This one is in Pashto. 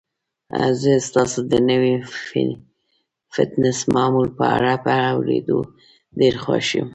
زه ستاسو د نوي فټنس معمول په اړه په اوریدو ډیر خوښ یم.